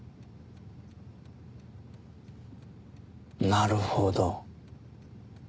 なるほど。